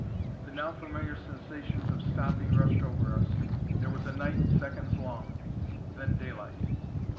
The now familiar sensations of stopping rushed over us. There was a night seconds long. Then daylight.